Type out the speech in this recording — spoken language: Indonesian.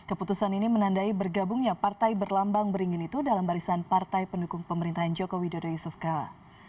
keputusan ini menandai bergabungnya partai berlambang beringin itu dalam barisan partai pendukung pemerintahan joko widodo yusuf kala